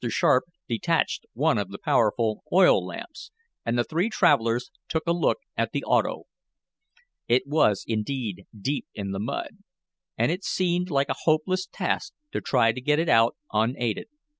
Sharp detached one of the powerful oil lamps, and the three travelers took a look at the auto. It was indeed deep in the mud and it seemed like a hopeless task to try to get it out unaided.